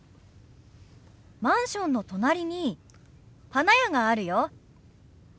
マンションの隣に花屋があるよ。